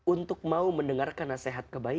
untuk mau mendengarkan nasihat kebaikan